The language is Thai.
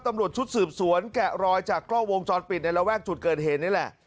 ตำรวจชุดสืบสวนแกะรอยจากกล้องวงจรปิดในระแวกจุดเกิดเหตุนี่แหละ